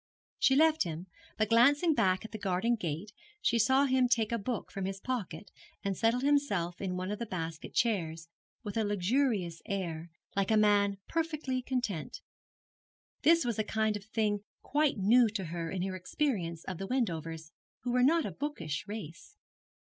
She left him, but glancing back at the garden gate she saw him take a book from his pocket and settle himself in one of the basket chairs, with a luxurious air, like a man perfectly content. This was a kind of thing quite new to her in her experience of the Wendovers, who were not a bookish race.